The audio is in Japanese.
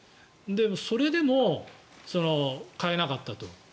それでも変えなかったと。